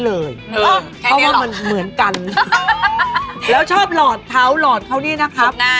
แล้วชอบหลอดเทาหลอดเข้านี่นะครับ